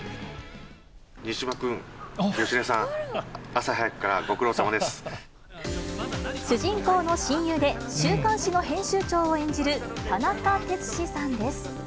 西島君、芳根さん、朝早くか主人公の親友で、週刊誌の編集長を演じる田中哲司さんです。